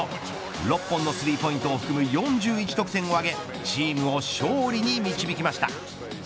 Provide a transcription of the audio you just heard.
６本のスリーポイントを含む４１得点を挙げチームを勝利に導きました。